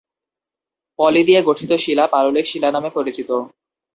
পলি দিয়ে গঠিত শিলা পাললিক শিলা নামে পরিচিত।